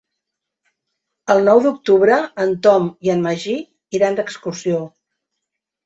El nou d'octubre en Tom i en Magí iran d'excursió.